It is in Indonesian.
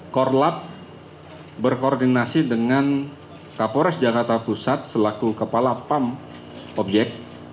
korlap berkoordinasi dengan kapolres jakarta pusat selaku kepala pam objek